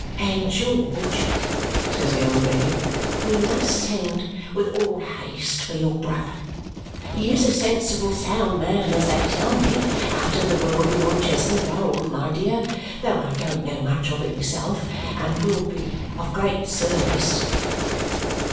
"And, George," says the old lady, "we must send with all haste for your brother. He is a sensible sound man as they tell me out in the world beyond Chesney Wold, my dear, though I don't know much of it myself and will be of great service."